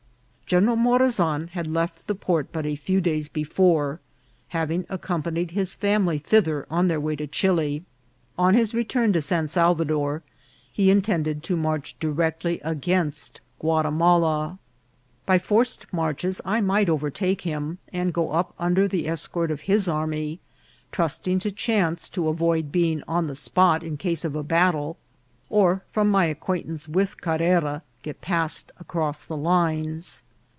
General Morazan had left the port but a few days before, having accompanied his family thither on their way to Chili. On his return to San Salvador 40 INCIDENTS OF TRAVEL. he intended to march directly against Guatimala. By forced marches I might overtake him, and go up under the escort of his army, trusting to chance to avoid being on the spot in case of a battle, or from my acquaintance with Carrera get passed across the lines.